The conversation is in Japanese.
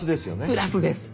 プラスです。